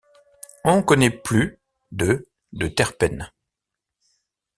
On connaît plus de de terpènes.